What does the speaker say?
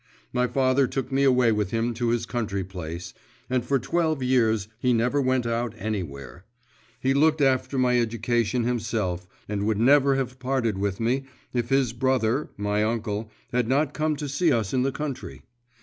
My father took me away with him to his country place, and for twelve years he never went out anywhere. He looked after my education himself, and would never have parted with me, if his brother, my uncle, had not come to see us in the country.